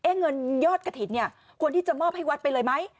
เงินยอดกระถิ่นเนี่ยควรที่จะมอบให้วัดไปเลยไหม